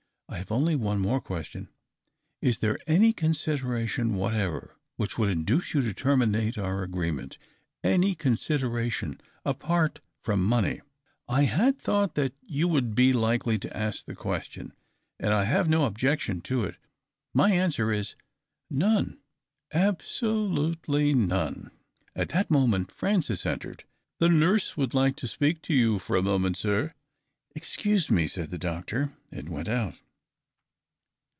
" I have only one more question — is there any con sideration whatever which would induce you to terminate our agreement : any considera tion apart from money ?"" I had thought that you would be likely to ask the question, and I have no objection to it. My answer is — none, absolutely none." At that moment Francis entered. " The nurse would like to speak to you for a moment, sir." "Excuse me," said the doctor, and went out.